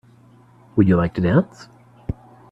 Would you like to dance?